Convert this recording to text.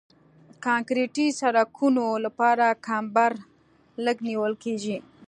د کانکریټي سرکونو لپاره کمبر لږ نیول کیږي